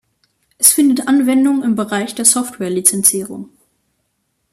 Es findet Anwendung im Bereich der Software-Lizenzierung.